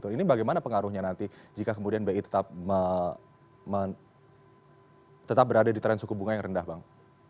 ini bagaimana pengaruhnya nanti jika kemudian bi tetap berada di tren suku bunga yang rendah bang